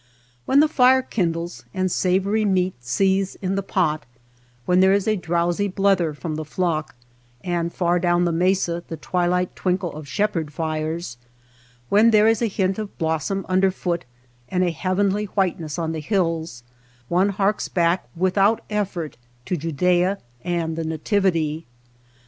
When the fire kindles and savory meat seethes in the pot, when there is a drowsy blether from 157 THE MESA TRAIL the flock, and far down the mesa the twl hght twinkle of shepherd fires, when there is a hint of blossom underfoot and a hea venly whiteness on the hills, one harks back without effort to Judaea and the Nativity.